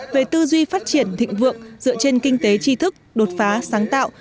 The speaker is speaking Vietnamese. về tư duy phát triển thịnh vượng dựa trên kinh tế tri thức đột phá sáng tạo